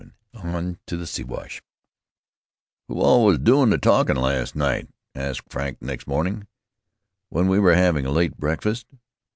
ON TO THE SIWASH "Who all was doin' the talkin' last night?" asked Frank next morning, when we were having a late breakfast.